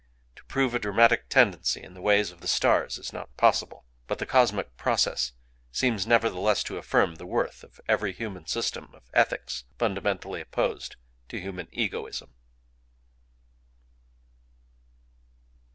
To prove a "dramatic tendency" in the ways of the stars is not possible; but the cosmic process seems nevertheless to affirm the worth of every human system of ethics fundamentally opposed to human egoism.